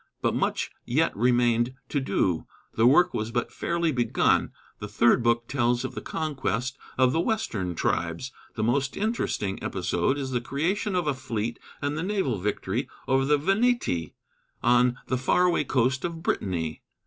But much yet remained to do. The work was but fairly begun. The third book tells of the conquest of the western tribes. The most interesting episode is the creation of a fleet and the naval victory over the Veneti on the far away coast of Brittany.